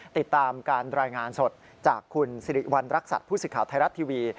ติดตามการรายงานสดจากคุณสิริวัณรักษัตริย์ผู้สื่อข่าวไทยรัฐทีวี